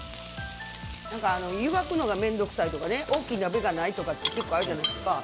湯がくのが面倒くさいとか大きい鍋がないとか結構あるじゃないですか。